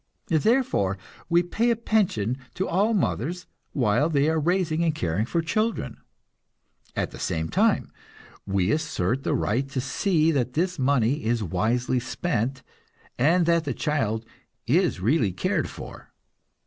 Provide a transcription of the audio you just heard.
Therefore, we pay a pension to all mothers while they are raising and caring for children. At the same time we assert the right to see that this money is wisely spent, and that the child is really cared for.